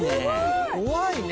怖いね。